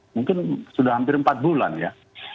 mungkin sudah hampir empat bulan ya